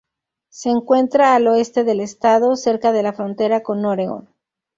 Se encuentra al oeste del estado, cerca de la frontera con Oregón.